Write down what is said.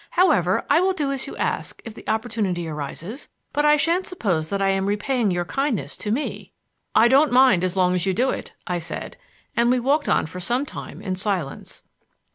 However, I will do as you ask if the opportunity arises; but I shan't suppose that I am repaying your kindness to me." "I don't mind so long as you do it," I said, and we walked on for some time in silence.